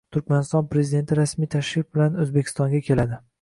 Turkmaniston Prezidenti rasmiy tashrif bilan O‘zbekistonga keladi